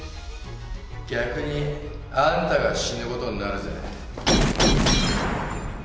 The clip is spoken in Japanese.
逆にあんたが死ぬことになるぜ。